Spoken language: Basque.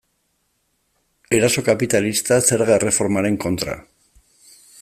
Eraso kapitalista zerga erreformaren kontra.